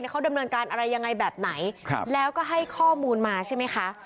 เขาดำเนินการอะไรยังไงแบบไหนแล้วก็ให้ข้อมูลมาใช่ไหมคะ